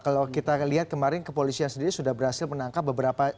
kalau kita lihat kemarin kepolisian sendiri sudah berhasil menangkap beberapa